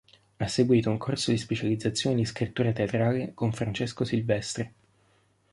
Ha seguito un corso di specializzazione di scrittura teatrale con Francesco Silvestri.